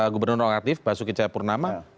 gubernur rokatif basuki caya purnama